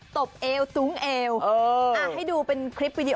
ตบเอวตุ๊งเอว